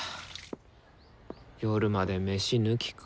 夜までメシ抜きか。